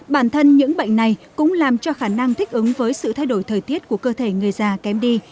bản thân những bệnh này cũng làm cho khả năng thích ứng với sự thay đổi thời tiết của cơ thể người già kém đi